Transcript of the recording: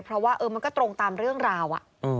เพราะว่ามันก็ตรงตามเรื่องราว